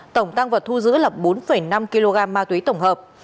tổng tăng vật thu giữ là bốn năm kg ma túy tổng hợp